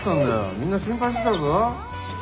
みんな心配してたぞ。